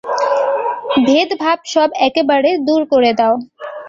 ভেদভাব সব একেবারে দূর করে দাও।